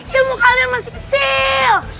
ilmu kalian masih kecil